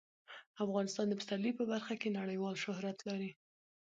افغانستان د پسرلی په برخه کې نړیوال شهرت لري.